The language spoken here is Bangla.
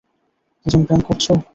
দুজন প্রেম করছ?